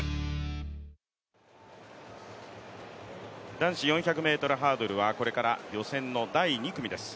男子４００ｍハードルはこれから予選の第２組です。